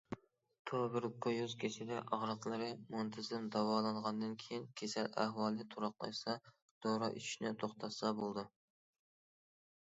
تۇبېركۇليۇز كېسىلى ئاغرىقلىرى مۇنتىزىم داۋالانغاندىن كېيىن، كېسەل ئەھۋالى تۇراقلاشسا، دورا ئىچىشنى توختاتسا بولىدۇ.